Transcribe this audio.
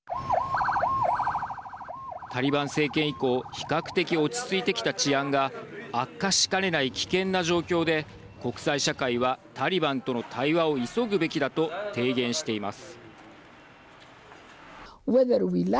タリバン政権以降比較的落ち着いてきた治安が悪化しかねない危険な状況で国際社会はタリバンとの対話を急ぐべきだと提言しています。